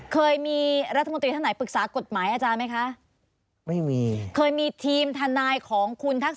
เคยมีรัฐมนตรีท่านไหนปรึกษากฎหมายอาจารย์ไหมคะ